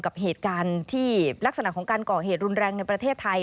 กับเหตุการณ์ที่ลักษณะของการก่อเหตุรุนแรงในประเทศไทย